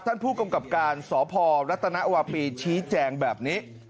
ท่านผู้กำกับการสพรัฐนวาปีชี้แจงแบบนี้